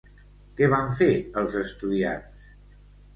Què van fer els estudiants?